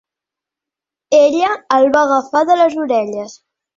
Ella el va agafar de les orelles.